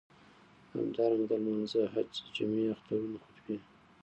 همدارنګه د لمانځه، حج، د جمعی، اخترونو خطبی.